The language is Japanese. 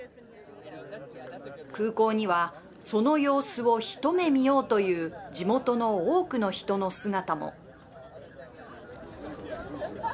空港にはその様子を一目見ようという地元の多くの人の姿も。